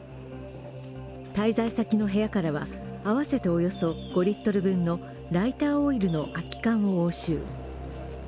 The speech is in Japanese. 滞在先の部屋からは合わせておよそ５リットル分のライターオイルの空き缶を押収。